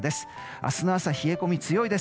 明日の朝、冷え込み強いです。